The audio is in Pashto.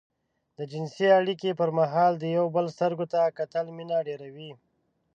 د جنسي اړيکې پر مهال د يو بل سترګو ته کتل مينه ډېروي.